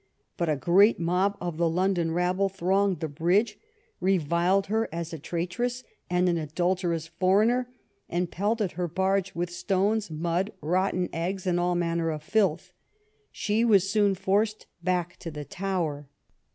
But a great mob of the London rabble thronged the bridge, reviled her as a traitress, and an adulterous foreigner, and pelted her barge with stones, mud, rotten eggs, and all manner of filth. She was soon forced back to the Tower.